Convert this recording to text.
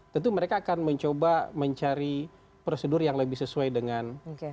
tentu mereka akan mencoba mencari prosedur yang lebih sesuai dengan